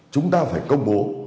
chúng ta phải công bố